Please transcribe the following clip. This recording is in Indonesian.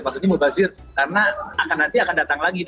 maksudnya mubazir karena nanti akan datang lagi